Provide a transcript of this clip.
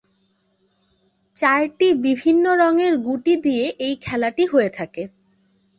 চারটি বিভিন্ন রঙের গুটি দিয়ে এই খেলাটি হয়ে থাকে।